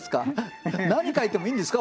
何書いてもいいんですか？